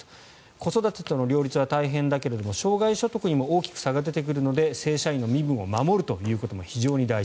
子育てとの両立は大変だけれども生涯所得にも大きく差が出てくるので正社員の身分を守ることも非常に大事。